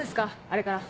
あれから。